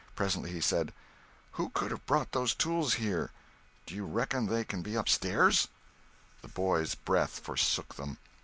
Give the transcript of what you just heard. Presently he said: "Who could have brought those tools here? Do you reckon they can be upstairs?" The boys' breath forsook them.